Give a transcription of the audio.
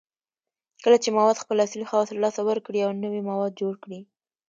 کله چې مواد خپل اصلي خواص له لاسه ورکړي او نوي مواد جوړ کړي